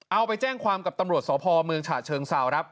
เอาไปแจ้งความกับตำรวจสพเมืองฉะเชิงเซาครับ